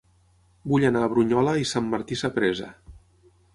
Vull anar a Brunyola i Sant Martí Sapresa